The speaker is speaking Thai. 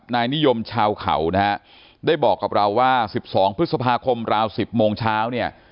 นายนิยมชาวเขานะฮะได้บอกกับเราว่า๑๒พฤษภาคมราว๑๐โมงเช้าเนี่ย